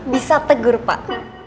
bisa tegur pak